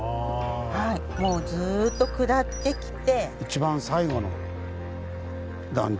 もうずっと下ってきて。